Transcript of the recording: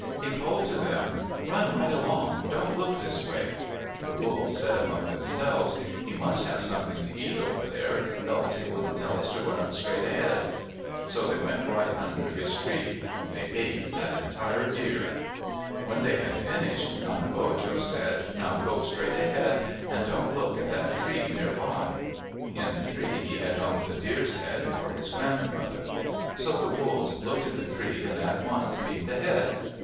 He called to them, "Run right along. Don't look this way." The wolves said among themselves, "He must have something to eat over there, else he wouldn't tell us to run straight ahead." So they went right under his tree. They ate that entire deer. When they had finished, Nanebojo said, "Now go straight ahead and don't look at that tree near by." In the tree he had hung the deer's head for his grandmother. So the wolves looked at the tree and at once ate the head.